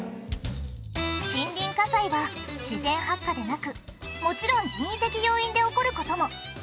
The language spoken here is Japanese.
森林火災が自然発火でなくもちろん人為的要因で起こる事も。